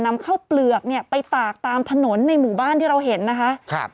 นำข้าวเปลือกเนี่ยไปตากตามถนนในหมู่บ้านที่เราเห็นนะคะครับ